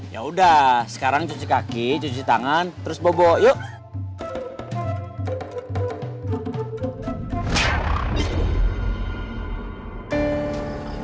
yaudah sekarang cuci kaki cuci tangan terus bobo yuk